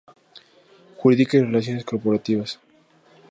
Jurídica y Relaciones Corporativas.